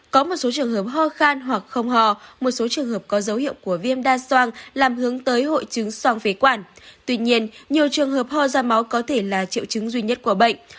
có một số trường hợp ho khan hoặc không hò một số trường hợp có dấu hiệu của viêm đa soang làm hướng tới hội chứng sang phế quản tuy nhiên nhiều trường hợp ho ra máu có thể là triệu chứng duy nhất của bệnh